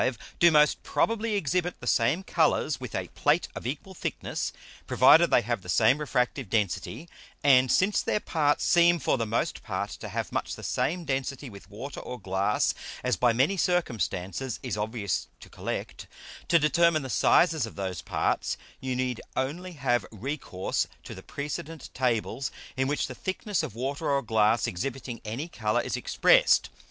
do most probably exhibit the same Colours with a Plate of equal thickness, provided they have the same refractive density; and since their parts seem for the most part to have much the same density with Water or Glass, as by many circumstances is obvious to collect; to determine the sizes of those parts, you need only have recourse to the precedent Tables, in which the thickness of Water or Glass exhibiting any Colour is expressed.